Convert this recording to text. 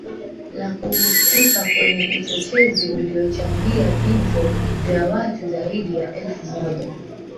la kuhusika kwenye uchochezi uliochangia vifo vya watu zaidi ya elfu moja